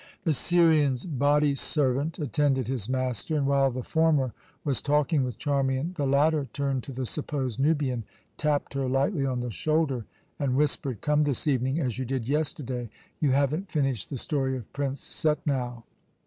The Syrian's body servant attended his master, and while the former was talking with Charmian the latter turned to the supposed Nubian, tapped her lightly on the shoulder, and whispered: "Come this evening, as you did yesterday. You haven't finished the story of Prince Setnau."